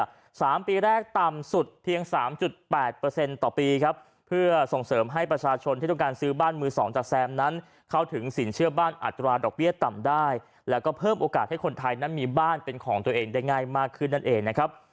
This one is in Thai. สามปีแรกต่ำสุดเพียงสามจุดแปดเปอร์เซ็นต์ต่อปีครับเพื่อส่งเสริมให้ประชาชนที่ต้องการซื้อบ้านมือสองจากแซมนั้นเข้าถึงสินเชื่อบ้านอัตราดอกเบี้ยต่ำได้แล้วก็เพิ่มโอกาสให้คนไทยนั้นมีบ้านเป็นของตัวเองได้ง่ายมากขึ้นนั่นเองนะครับ